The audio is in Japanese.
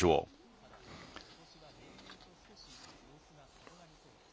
ただ、ことしは例年と少し様子が異なりそうです。